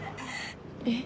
えっ。